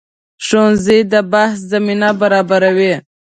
ښوونځی د بحث زمینه برابروي